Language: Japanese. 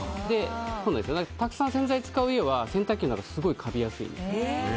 たくさん洗剤使うと洗濯機の中はすごいカビやすいんです。